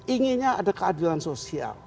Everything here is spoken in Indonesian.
inginnya ada keadilan sosial